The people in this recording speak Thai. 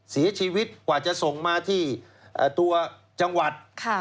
เสียชีวิตกว่าจะส่งมาที่ตัวจังหวัด